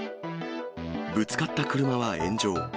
ぶつかった車は炎上。